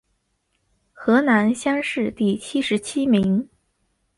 河南乡试第七十七名。